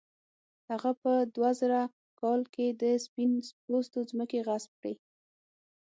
هغه په دوه زره کال کې د سپین پوستو ځمکې غصب کړې.